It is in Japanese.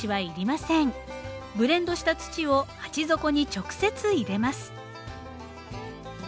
ブレンドした土を鉢底に直接入れます。